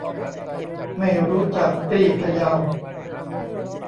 ไม่รู้จักตี้ พะเยา